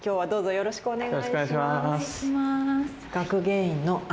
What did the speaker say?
よろしくお願いします。